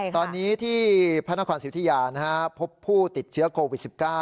ตอนนี้ที่พระนครสิทธิยาพบผู้ติดเชื้อโควิด๑๙